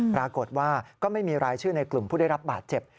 ปรากฏว่าก็ไม่มีรายชื่อในกลุ่มผู้ได้รับบาดเจ็บ